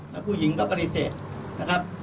แต่ผู้หญิงก็ปฏิเสธนะครับ